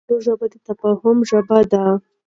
پښتو ژبه د تفاهم ژبه ده.